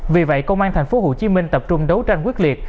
vì vậy công an tp hcm tập trung đấu tranh quyết liệt